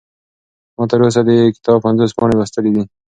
ما تر اوسه د دې کتاب پنځوس پاڼې لوستلي دي.